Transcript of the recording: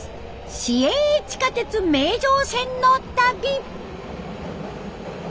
市営地下鉄名城線の旅。